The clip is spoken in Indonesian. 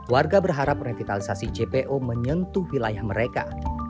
warga berharap revitalisasi jpo menyentuh wilayah mereka